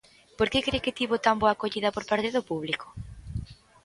Por que cre que tivo tan boa acollida por parte do público?